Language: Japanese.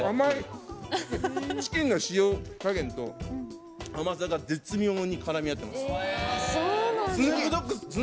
チキンの塩加減と甘さが絶妙にからみあってます。